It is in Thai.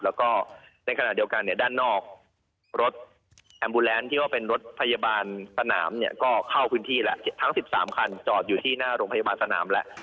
แล้วก็ในขณะเดียวกันเนี่ยด้านนอกรถแฮมบูแลนด์ที่ว่าเป็นรถพยาบาลสนามเนี่ยก็เข้าพื้นที่แล้วทั้ง๑๓คันจอดอยู่ที่หน้าโรงพยาบาลสนามแล้ว